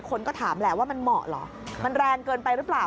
คนก็ถามแหละว่ามันเหมาะเหรอมันแรงเกินไปหรือเปล่า